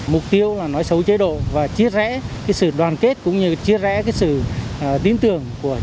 mục tiêu là nói xấu chế độ và chia rẽ cái sự đoàn kết cũng như chia rẽ cái sự tin tưởng của nhân dân